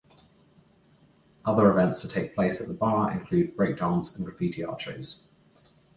Other events to take place at the bar include breakdance and graffiti art shows.